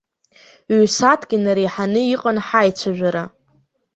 Ҩ-сааҭк инареиҳаны иҟан ҳаицәажәара.